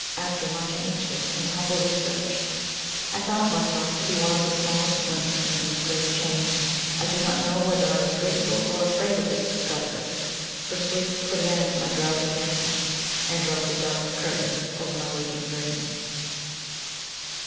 After much anxious and humble research, I found myself to be one of the smallest links in this great chain. I do not know whether I was grateful or afraid at this discovery, for sleep put an end to my drowsy fancies, and dropped a dark curtain over my waking dreams.